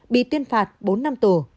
bị tuyên phạt bốn năm tù